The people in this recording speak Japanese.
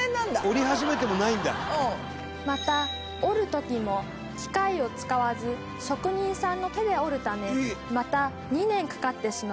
また織る時も機械を使わず職人さんの手で織るためまた２年かかってしまいます。